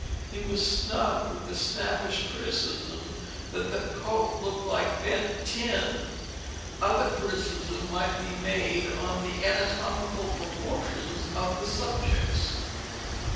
He was snubbed with the snappish criticism that "the coat looked like bent tin." Other criticism might be made on the anatomical proportions of the subjects.